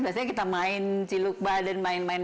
biasanya kita main ciluk badan main main